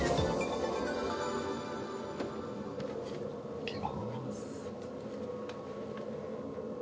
開けます。